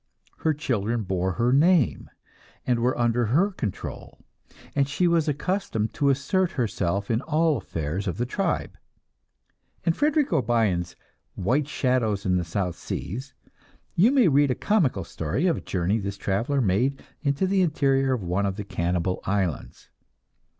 Her children bore her name, and were under her control, and she was accustomed to assert herself in all affairs of the tribe. In Frederick O'Brien's "White Shadows in the South Seas," you may read a comical story of a journey this traveler made into the interior of one of the cannibal islands.